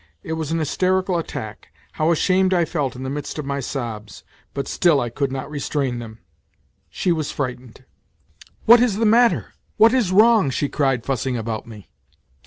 It was an hysterical attack. How ashamed I felt in the midst of my sobs; but still I could not restrain them. She was frightened. L 146 NOTES FROM UNDERGROUND " What is the matter ? What is wrong ?" she cried, fussing about me.